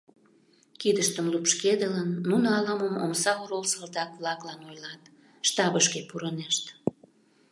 Кидыштым лупшкедылын, нуно ала-мом омса орол салтак-влаклан ойлат, штабышке пурынешт.